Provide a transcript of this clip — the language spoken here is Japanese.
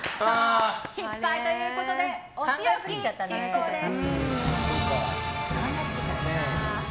失敗ということでお仕置き執行です。